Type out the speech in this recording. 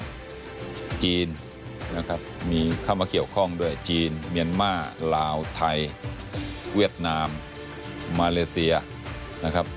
จีนนะครับมีเข้ามาเกี่ยวข้องด้วยจีนเมียนมาลาวไทยเวียดนามมาเลเซียนะครับ